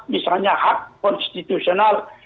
misalnya hak konstitusional